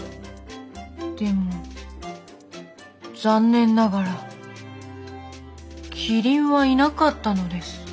でも残念ながらキリンはいなかったのです。